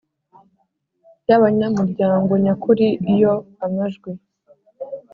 y abanyamuryango nyakuri Iyo amajwi